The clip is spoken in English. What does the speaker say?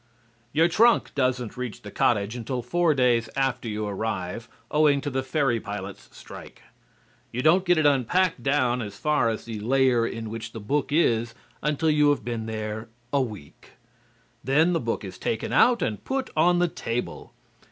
Your trunk doesn't reach the cottage until four days after you arrive, owing to the ferry pilots' strike. You don't get it unpacked down as far as the layer in which the book is until you have been there a week. Then the book is taken out and put on the table.